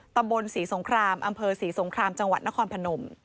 ตำบลศรีสงครามอำเภอศรีสงครามจังหวัดนครพนม